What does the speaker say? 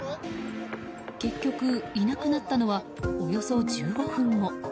結局、いなくなったのはおよそ１５分後。